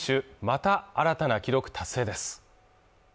また新たな記録達成です